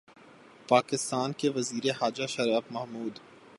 پاکستان کے وزیر خارجہ شاہ محمود